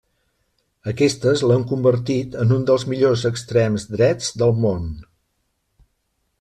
Aquestes l'han convertit en un dels millors extrems drets del món.